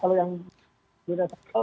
kalau yang diresapel